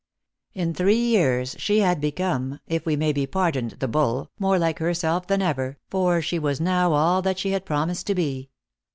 In three years she had become, if we may be pardoned the bull, more like herself than ever, for she was now all that she had promised to.be.